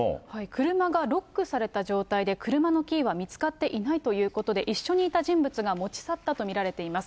車がロックされた状態で、車のキーは見つかっていないということで、一緒にいた人物が持ち去ったと見られています。